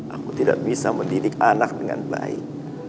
aku tidak bisa mendidik anak dengan baik